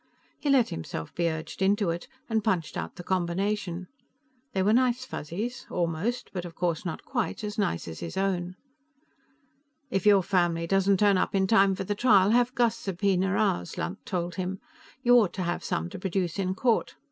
He let himself be urged into it, and punched out the combination. They were nice Fuzzies; almost, but of course not quite, as nice as his own. "If your family doesn't turn up in time for the trial, have Gus subpoena ours," Lunt told him. "You ought to have some to produce in court.